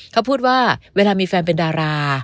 เขาพูดว่าเวลามีแฟนเป็นดารา